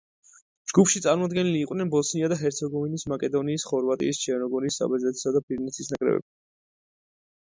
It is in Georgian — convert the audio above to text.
ჯგუფში წარმოდგენილნი იყვნენ ბოსნია და ჰერცეგოვინის, მაკედონიის, ხორვატიის, ჩერნოგორიის, საბერძნეთისა და ფინეთის ნაკრებები.